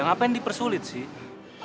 ya ngapain dipersulit sih